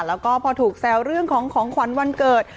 แล้วก็พอถูกแซวเรื่องของของขวัญวันเกิด